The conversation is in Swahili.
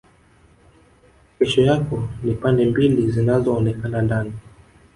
Kesho yako ni pande mbili zinazoonekana ndani